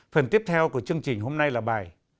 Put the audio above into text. phần tiếp theo của chương trình hôm nay là bài